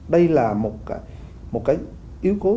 đây là một cái yếu cố